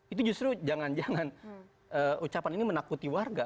itu justru jangan jangan ucapan ini menakuti warga